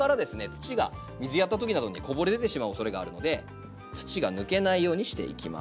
土が水やった時などにこぼれ出てしまうおそれがあるので土が抜けないようにしていきます。